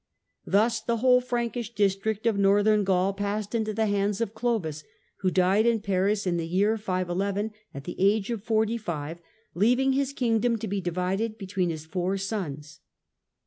Thus the whole Frankish district of Northern Gaul passed into the hands of Clovis, who died in Paris in the year 511, at the age of forty five, leaving his king dom to be divided between his four sons.